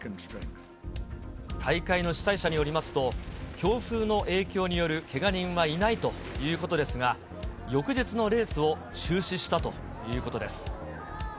大会の主催者によりますと、強風の影響によるけが人はいないということですが、翌日のレースを中止したということです。